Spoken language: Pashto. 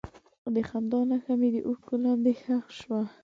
د خندا نښه مې د اوښکو لاندې ښخ شوه.